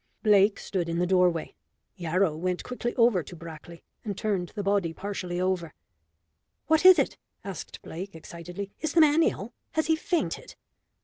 Blake stood in the doorway. Yarrow went quickly over to Brackley, and turned the body partially over. "What is it?" asked Blake, excitedly. "Is the man ill? Has he fainted?"